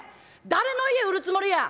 誰の家売るつもりや！？」。